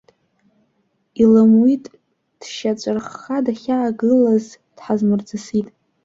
Илымуит, дшьацәырхха дахьаагылаз, дҳазмырҵысит.